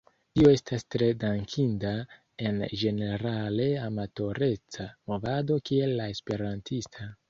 Tio estas tre dankinda en ĝenerale amatoreca movado kiel la esperantista.